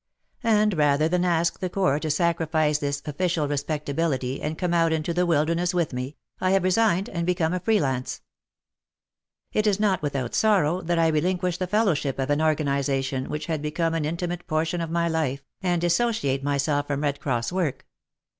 And rather than ask the Corps to sacrifice this official respectability and come out into the wilderness with me — I have resigned and become a free lance. It is not without sorrow that I relinquish the fellowship of an organization which had become an intimate portion of my life, and dissociate myself from Red Cross work.